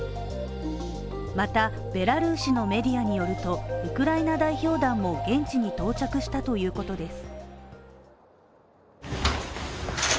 また、ベラルーシのメディアによるとウクライナ代表団も現地に到着したということです。